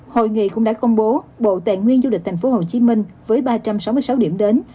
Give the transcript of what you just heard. hội nghị cũng đã công bố bộ tài nguyên du lịch thành phố hồ chí minh với ba trăm sáu mươi sáu điểm đến